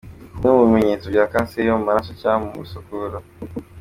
Kumwe mu bimenyetso bya kanseri yo mu maraso cg mu misokoro.